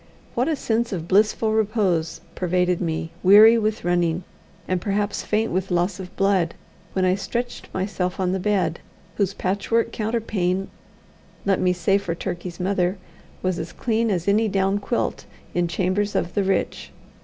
What a sense of blissful repose pervaded me, weary with running, and perhaps faint with loss of blood, when I stretched myself on the bed, whose patchwork counterpane, let me say for Turkey's mother, was as clean as any down quilt in chambers of the rich.